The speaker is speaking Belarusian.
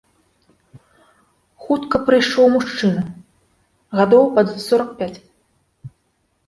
Хутка прыйшоў мужчына гадоў пад сорак пяць.